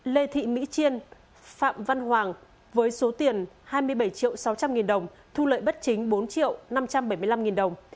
lê thị mỹ chiên phạm văn hoàng với số tiền hai mươi bảy triệu sáu trăm linh nghìn đồng thu lợi bất chính bốn triệu năm trăm bảy mươi năm nghìn đồng